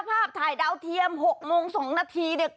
ภาพถ่ายดาวเทียม๖โมง๒นาที